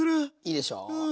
いいでしょう。